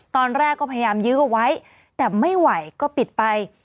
ตอนแรกก็พยายามยื้อเอาไว้แต่ไม่ไหวก็ปิดไป